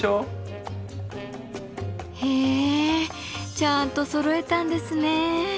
へえちゃんとそろえたんですね。